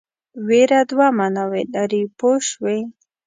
وېره دوه معناوې لري پوه شوې!.